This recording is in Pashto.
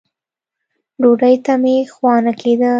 ډوډۍ ته مې خوا نه کېده.